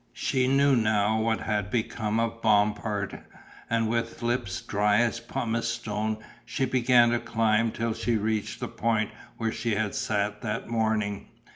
She knew now what had become of Bompard, and with lips dry as pumice stone she began to climb till she reached the point where she had sat that morning.